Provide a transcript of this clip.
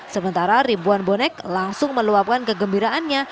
sementara ribuan bonek langsung meluapkan kegembiraannya